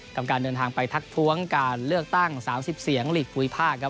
กับการเดินทางไปทักท้วงการเลือกตั้ง๓๐เสียงหลีกภูมิภาคครับ